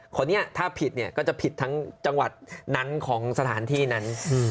คนนี้ถ้าผิดเนี่ยก็จะผิดทั้งจังหวัดนั้นของสถานที่นั้น